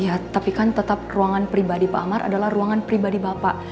iya tapi kan tetap ruangan pribadi pak amar adalah ruangan pribadi bapak